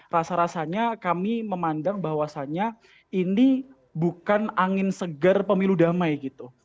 rasa rasanya kami memandang bahwasannya ini bukan angin segar pemilu damai gitu